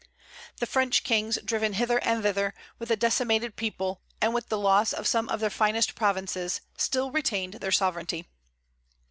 The French kings, driven hither and thither, with a decimated people, and with the loss of some of their finest provinces, still retained their sovereignty.